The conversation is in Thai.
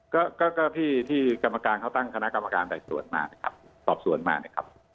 ก็ก็ที่ที่กรรมการเขาตั้งคณะกรรมการไต่สวนมานะครับสอบสวนมานะครับ